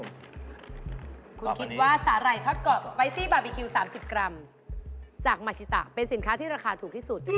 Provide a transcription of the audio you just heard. คุณคิดว่าสาหร่ายทอดเกาะสใบซี่บาร์บีคิว๓๐กรัมจากมาชิตะเป็นสินค้าที่ราคาถูกที่สุด